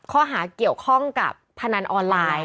ข้อหาเกี่ยวข้องกับพนันออนไลน์